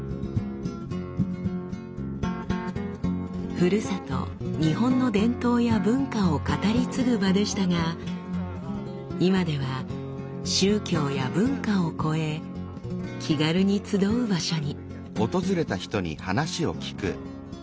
ふるさと日本の伝統や文化を語り継ぐ場でしたが今では宗教や文化を超え気軽に集う場所に。